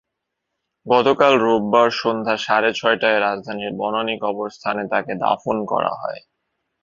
গতকাল রোববার সন্ধ্যা সাড়ে ছয়টায় রাজধানীর বনানী কবরস্থানে তাঁকে দাফন করা হয়।